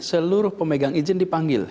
seluruh pemegang izin dipanggil